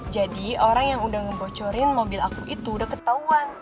jadi orang yang udah ngebocorin mobil aku itu udah ketauan